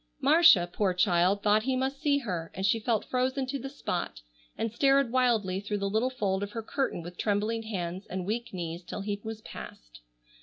Marcia, poor child, thought he must see her, and she felt frozen to the spot, and stared wildly through the little fold of her curtain with trembling hands and weak knees till he was passed.